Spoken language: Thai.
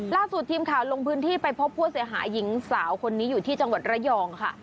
ล่าสุดทีมข่าวลงพื้นที่ไปพบผู้เสียหายหญิงสาวคนนี้อยู่ที่จังหวัดระยองค่ะ